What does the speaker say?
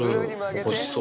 おいしそう。